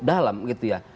dalam gitu ya